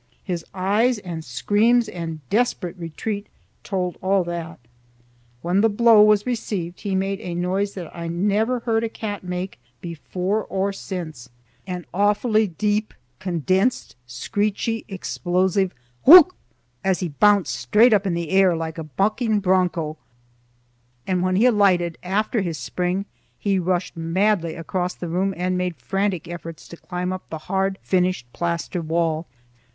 His eyes and screams and desperate retreat told all that. When the blow was received, he made a noise that I never heard a cat make before or since; an awfully deep, condensed, screechy, explosive Wuck! as he bounced straight up in the air like a bucking bronco; and when he alighted after his spring, he rushed madly across the room and made frantic efforts to climb up the hard finished plaster wall.